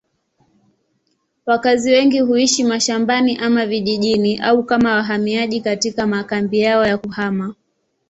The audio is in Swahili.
Wakazi wengi huishi mashambani ama vijijini au kama wahamiaji katika makambi yao ya kuhama.